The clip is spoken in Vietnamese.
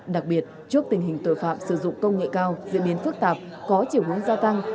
đặc biệt trước tình hình tội phạm sử dụng công nghệ cao diễn biến phức tạp có chiều hướng gia tăng